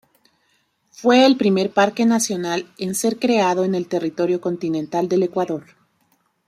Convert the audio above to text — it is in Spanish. Fue el primer parque nacional en ser creado en el territorio continental del Ecuador.